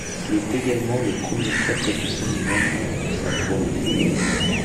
Il est également le premier prêtre du séminaire mort pour sa foi.